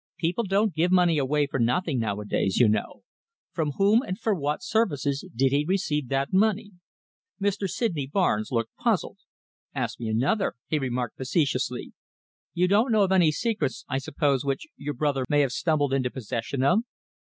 People don't give money away for nothing nowadays, you know. From whom and for what services did he receive that money?" Mr. Sydney Barnes looked puzzled. "Ask me another," he remarked facetiously. "You do not know of any secrets, I suppose, which your brother may have stumbled into possession of?"